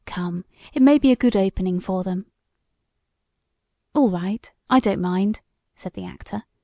Come, it may be a good opening for them." "All right, I don't mind," said the actor.